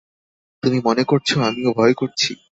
তুমি মনে করছ আমিও ভয় করছি।